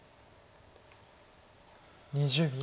２０秒。